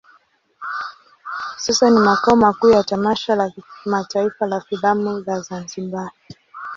Sasa ni makao makuu ya tamasha la kimataifa la filamu la Zanzibar.